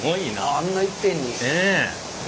あんないっぺんに。